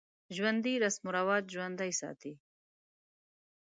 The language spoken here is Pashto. ژوندي رسم و رواج ژوندی ساتي